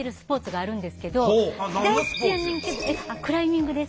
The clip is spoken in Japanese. あっクライミングです。